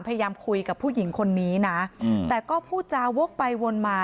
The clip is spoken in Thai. พยายามคุยกับผู้หญิงคนนี้นะแต่ก็พูดจาวกไปวนมา